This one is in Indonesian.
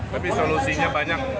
tapi solusinya banyak